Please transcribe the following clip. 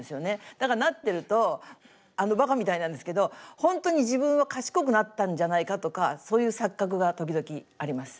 だからなってるとあのバカみたいなんですけど本当に自分は賢くなったんじゃないかとかそういう錯覚が時々あります。